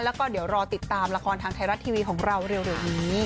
แล้วก็เดี๋ยวรอติดตามละครทางไทยรัฐทีวีของเราเร็วนี้